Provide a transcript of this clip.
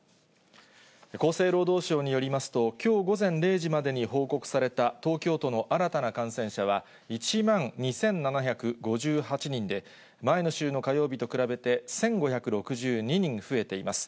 厚生労働省によりますと、きょう午前０時までに報告された東京都の新たな感染者は、１万２７５８人で、前の週の火曜日と比べて１５６２人増えています。